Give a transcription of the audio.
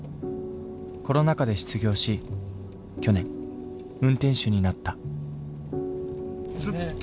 コロナ禍で失業し去年運転手になった。